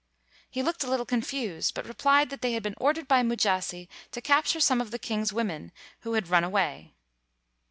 He looked a little confused but replied that they had been ordered by Mujasi to capture some of the king's women who had run away.